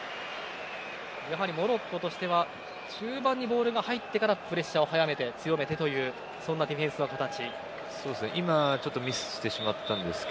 モロッコとしては中盤にボールが入ってからプレッシャーを早めて強めてという今、ちょっとミスしましたが。